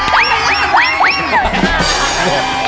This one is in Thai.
ไม่รู้เลย